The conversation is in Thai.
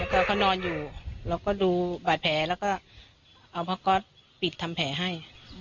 พอเขานอนอยู่เราก็ดูบาดแผลแล้วก็เอาผ้าก๊อตปิดทำแผลให้